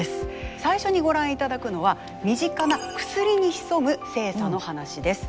最初にご覧いただくのは身近な薬に潜む性差の話です。